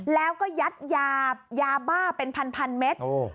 แล้วก็ยัดยายาบ้าเป็นพันเมตร